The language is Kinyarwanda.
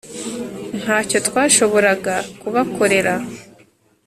ntacyo twashoboraga kubakorera